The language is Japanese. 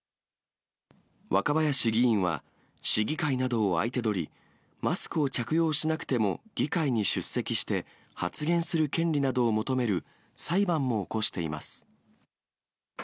若林議員は市議会などを相手取り、マスクを着用しなくても議会に出席して、発言する権利などを求める裁判も起こしています。